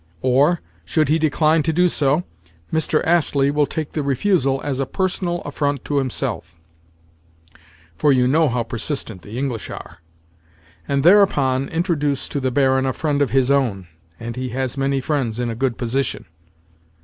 Or, should he decline to do so, Mr. Astley will take the refusal as a personal affront to himself (for you know how persistent the English are?) and thereupon introduce to the Baron a friend of his own (and he has many friends in a good position).